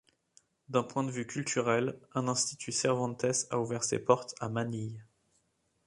D'un point de vue culturel, un Institut Cervantes a ouvert ses portes à Manille.